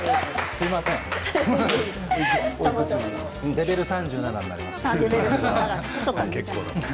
レベル３７となりました。